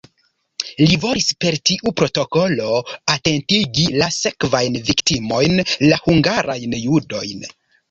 Li volis per tiu protokolo atentigi la sekvajn viktimojn, la hungarajn judojn.